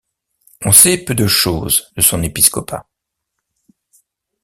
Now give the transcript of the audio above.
On sait peu de choses de son épiscopat.